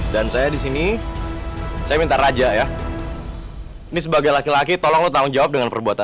dan saya disini saya minta raja ini sebagai laki laki tolong di tanggungjawab dengan perbuatan